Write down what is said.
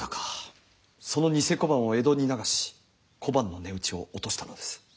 その贋小判を江戸に流し小判の値打ちを落とすためです。